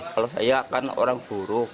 kalau saya kan orang buruk